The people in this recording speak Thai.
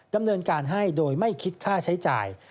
ดำเนินการให้โดยไม่คิดค่าใช้จ่าย